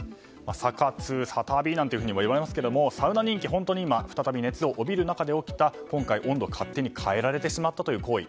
サ活、サ旅などといわれますけどもサウナ人気、今本当に再び人気を帯びる中で起きた今回、温度を勝手に変えられてしまったという行為。